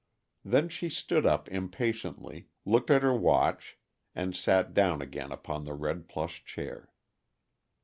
Then she stood up impatiently, looked at her watch, and sat down again upon the red plush chair.